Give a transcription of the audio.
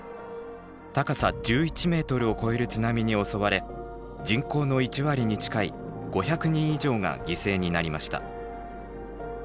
高さ１１ｍを超える津波に襲われ人口の１割に近い５００人以上が犠牲になりました。